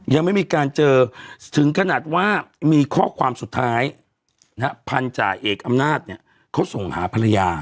ยังไม่มีการเจอถึงขนาดว่ามีข้อความสุดท้ายพันธาเอกอำนาจเนี่ยเขาส่งหาภรรยา